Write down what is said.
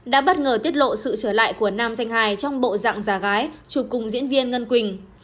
đã bất ngờ tiết lộ sự trở lại của nam danh hài trong bộ dạng giả gái chụp cùng diễn viên ngân quỳnh